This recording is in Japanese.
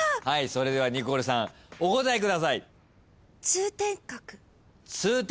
それではニコルさんお答えください。